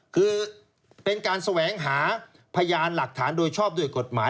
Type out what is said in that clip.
คือเป็นการแสวงหาพยานหลักฐานโดยชอบด้วยกฎหมาย